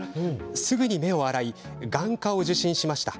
すぐに目を洗い眼科を受診しました。